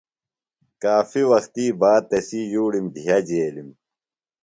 کافیۡ وختی باد تسی یُوڑِم دِھیہ جیلِم۔